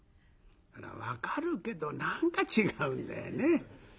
分かるけど何か違うんだよね。